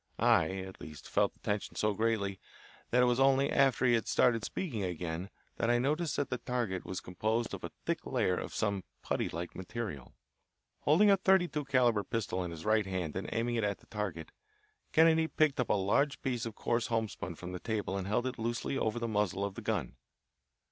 I, at least, felt the tension so greatly that it was only after he had started speaking again, that I noticed that the target was composed of a thick layer of some putty like material. Holding a thirty two calibre pistol in his right hand and aiming it at the target, Kennedy picked up a large piece of coarse homespun from the table and held it loosely over the muzzle of the gun.